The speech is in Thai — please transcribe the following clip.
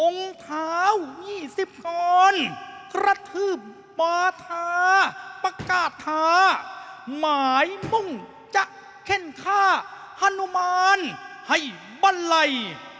องค์เท้ายี่สิบกรระทืบปาทาปะกาธาหมายมุ่งจะเข้นท่าฮานุมานให้บันไล